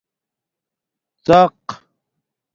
ڎَق